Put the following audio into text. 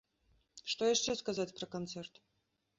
Што яшчэ сказаць пра канцэрт?